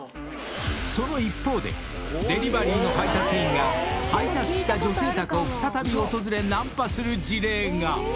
［その一方でデリバリーの配達員が配達した女性宅を再び訪れナンパする事例が］